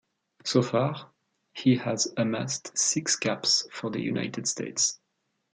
So far, he has amassed six caps for the United States.